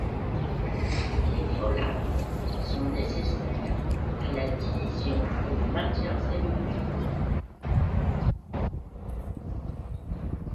Les folates sont nécessaires à la division et au maintien cellulaire.